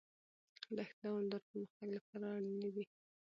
دښتې د دوامداره پرمختګ لپاره اړینې دي.